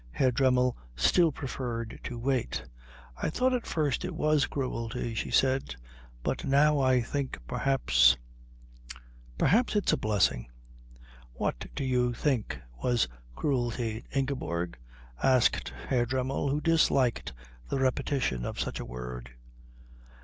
Herr Dremmel still preferred to wait. "I thought at first it was cruelty," she said, "but now I think perhaps perhaps it's blessing." "What did you think was cruelty, Ingeborg?" asked Herr Dremmel, who disliked the repetition of such a word.